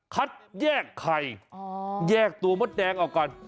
คัดแยกไข่แยกตัวมดแดงออกก่อน